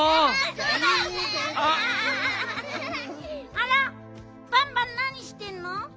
あらバンバンなにしてんの？